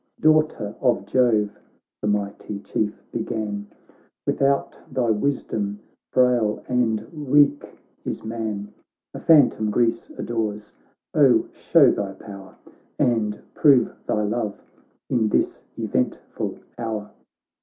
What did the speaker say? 'Daughter of Jove!' the mighty Chief began, 'Without thy wisdom, frail and weak is man. A phantom Greece adores; oh, show thy power. And prove thy love in this eventful hour